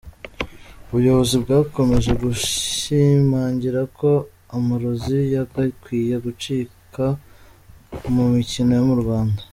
Ubuyobozi bwakomeje gushimangira ko amarozi yagakwiye gucika mu mikino yo mu Rwanda.